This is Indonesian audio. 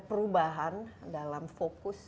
perubahan dalam fokus